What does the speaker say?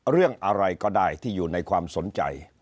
เรื่องอะไรก็ได้ที่อยู่ในความสนใจ